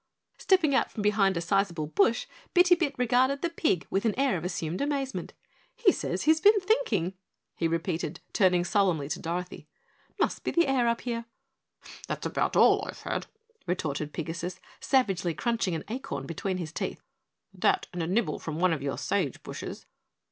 Stepping out from behind a sizable bush, Bitty Bit regarded the pig with an air of assumed amazement. "He says he's been thinking," he repeated, turning solemnly to Dorothy. "Must be the air up here." "That's about all I've had," retorted Pigasus, savagely crunching an acorn between his teeth, "that and a nibble from one of your sage bushes."